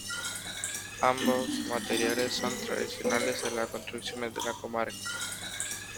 Ambos materiales son tradicionales en las construcciones de la comarca.